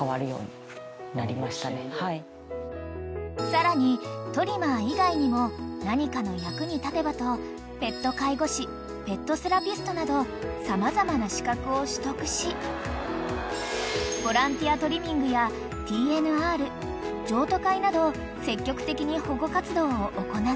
［さらにトリマー以外にも何かの役に立てばとペット介護士ペットセラピストなど様々な資格を取得しボランティアトリミングやＴＮＲ譲渡会など積極的に保護活動を行っている］